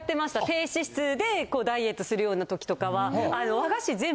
低脂質でダイエットするような時とかは。